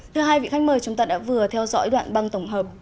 thưa hai vị khách mời chúng ta đã vừa theo dõi đoạn băng tổng hợp